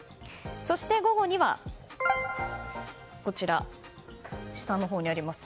そして、午後には下のほうにあります